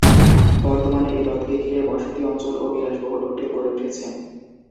বর্তমানে এই হ্রদকে ঘিরে বসতি অঞ্চল ও বিলাসবহুল হোটেল গড়ে উঠেছে।